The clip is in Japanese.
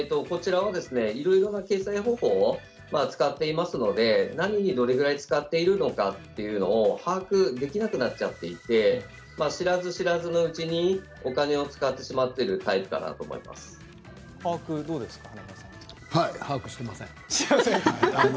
いろいろな決済方法を使っていますので何にどれぐらい使っているのかというのを把握できなくなっちゃっていて知らず知らずのうちにお金を使ってしまっているタイプかなと把握していません。